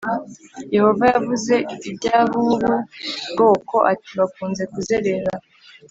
Yehova yavuze iby ab ubu bwoko ati bakunze kuzerera